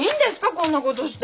こんなことして。